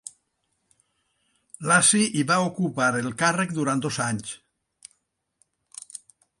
Lacy i va ocupar el càrrec durant dos anys.